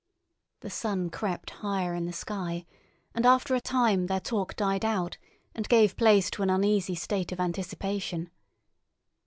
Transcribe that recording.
The sun crept higher in the sky, and after a time their talk died out and gave place to an uneasy state of anticipation.